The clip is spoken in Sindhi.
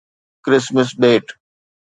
ڪرسمس ٻيٽ